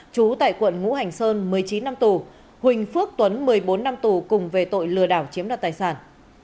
trú tại quận ngũ hành sơn một mươi chín năm tù huỳnh phước tuấn một mươi bốn năm tù cùng về tội lừa đảo chiếm đoạt tài sản